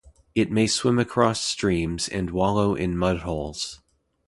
It may swim across streams and wallow in mud holes.